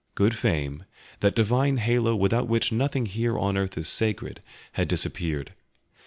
Good fame, that divine halo without which nothing here on earth is sacred, had disappeared.